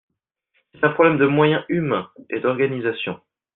C’est un problème de moyens humains et d’organisation.